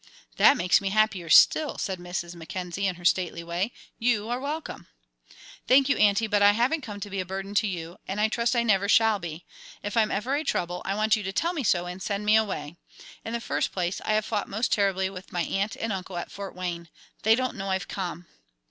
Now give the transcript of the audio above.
"That makes me happier still," said Mrs. Mackenzie, in her stately way. "You are welcome." "Thank you, Aunty; but I haven't come to be a burden to you, and I trust I never shall be. If I'm ever a trouble, I want you to tell me so and send me away. In the first place, I have fought most terribly with my aunt and uncle at Fort Wayne. They don't know I've come."